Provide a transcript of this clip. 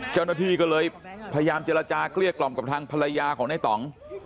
เจ้าหน้าที่ก็เลยพยายามเจรจาเกลี้ยกล่อมกับทางภรรยาของในต่อง